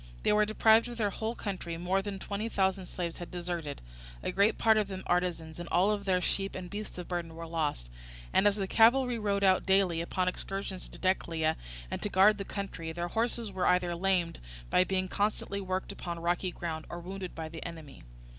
They were deprived of their whole country: more than twenty thousand slaves had deserted, a great part of them artisans, and all their sheep and beasts of burden were lost; and as the cavalry rode out daily upon excursions to Decelea and to guard the country, their horses were either lamed by being constantly worked upon rocky ground, or wounded by the enemy.